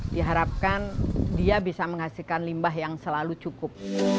diharapkan dia bisa menghasilkan limbah yang selalu cukup